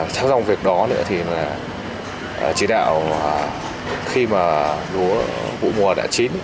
trong việc đó chỉ đạo khi mùa đã chín